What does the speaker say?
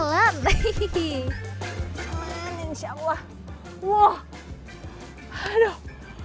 selamat insya allah